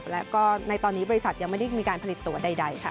และก็ในตอนนี้บริษัทยังไม่ได้มีการผลิตตัวใดค่ะ